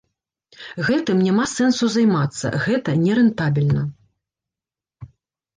Гэтым няма сэнсу займацца, гэта нерэнтабельна.